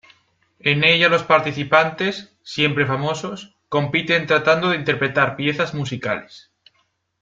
En ella los participantes, siempre famosos, compiten tratando de interpretar piezas musicales.